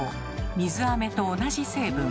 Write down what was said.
水あめと同じ成分。